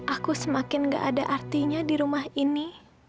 aku semakin gak ada artinya di rumah ini